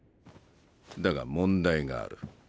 だが問題がある。